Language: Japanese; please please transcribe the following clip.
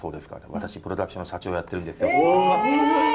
私プロダクションの社長やってるんです」。